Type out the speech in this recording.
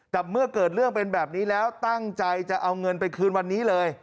แต่เมื่อเกิดเรื่องเป็นแบบนี้แล้วตั้งใจจะเอาเงินไปคืนวันนี้เลย